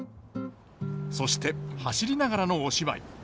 そして走りながらのお芝居。